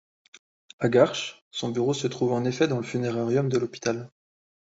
À Garches, son bureau se trouve en effet dans le funérarium de l'hôpital.